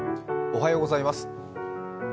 おはようございます。